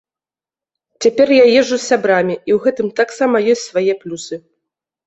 Цяпер я езджу з сябрамі і ў гэтым таксама ёсць свае плюсы.